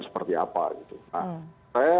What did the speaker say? seperti apa saya